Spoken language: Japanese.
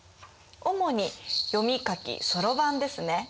主に「読み書き」「そろばん」ですね。